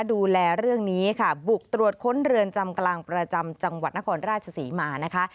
ดูแลเรื่องนี้ค่ะบุกตรวจค้นเรือนจำกลางประจำจังหวัดนครราชศรีมานะคะ